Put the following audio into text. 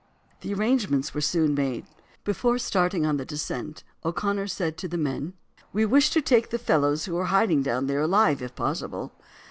The arrangements were soon made. Before starting on the descent O'Connor said to the men: "We wish to take the fellows who are hiding down there alive if possible.